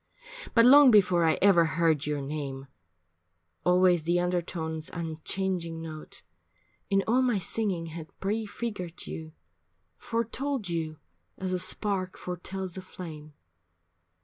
But long before I ever heard your name, Always the undertone's unchanging note In all my singing had prefigured you, Foretold you as a spark foretells a flame.